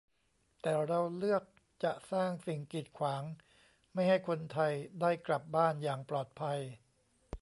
แต่เราเลือกจะสร้างสิ่งกีดขวาง ไม่ให้คนไทยได้กลับบ้านอย่างปลอดภัย